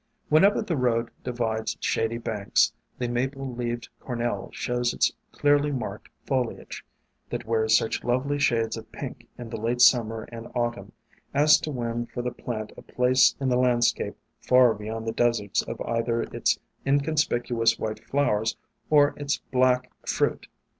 Whenever the road divides shady banks, the Maple leaved Cornel shows its clearly marked foli age, that wears such lovely shades of pink in the late Summer and Autumn as to win for the plant a place in the landscape far beyond the deserts of either its inconspicuous white flowers or its black 282 WAYFARERS fruit.